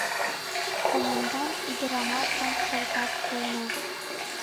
Комендант ӱдырамашлан шолташ пуэна.